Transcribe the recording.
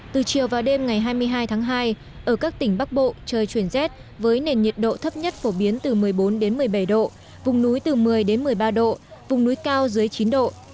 từ chiều và đêm ngày hai mươi hai tháng hai ở các tỉnh bắc bộ trời chuyển rét với nền nhiệt độ thấp nhất phổ biến từ một mươi bốn một mươi bảy độ vùng núi từ một mươi một mươi ba độ vùng núi cao dưới chín độ